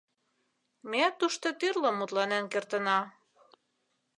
Ме тушто тӱрлым мутланен кертына.